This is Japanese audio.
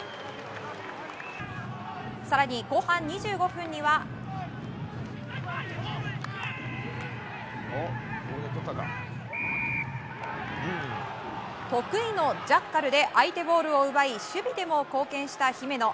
更に、後半２５分には得意のジャッカルで相手ボールを奪い守備でも貢献した姫野。